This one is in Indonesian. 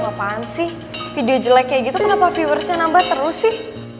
apaan sih video jelek kayak gitu kenapa viewersnya nambah terus sih